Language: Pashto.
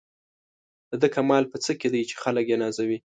د ده کمال په څه کې دی چې خلک یې نازوي.